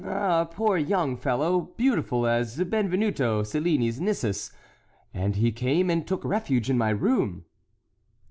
"A poor young fellow, beautiful as Benvenuto Cellini's Nisus,—and he came and took refuge in my room."